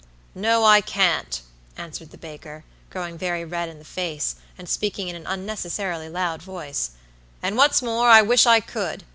"No, I can't," answered the baker, growing very red in the face, and speaking in an unnecessarily loud voice; "and what's more, I wish I could.